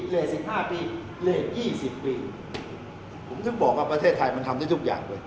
เรทสิบห้าปีเรทยี่สิบปีผมถึงบอกว่าประเทศไทยมันทำได้ทุกอย่างเว้ย